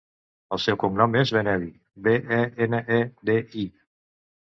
El seu cognom és Benedi: be, e, ena, e, de, i.